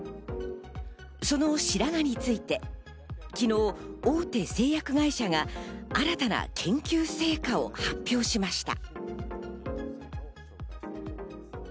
その白髪について昨日、大手製薬会社が新たな研究成果を発表しました。